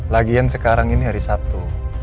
lagian sekarang ini hari sabtu